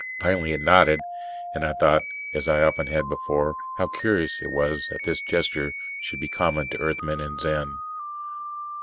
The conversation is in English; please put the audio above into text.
Finally it nodded, and I thought, as I had often before, how curious it was that this gesture should be common to Earthmen and Zen.